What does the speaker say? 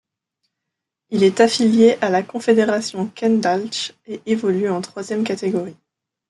Il est affilié à la confédération Kendalc'h et évolue en troisième catégorie.